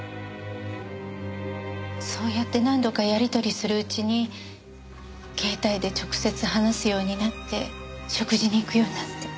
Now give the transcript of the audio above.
そうやって何度かやり取りするうちに携帯で直接話すようになって食事に行くようになって。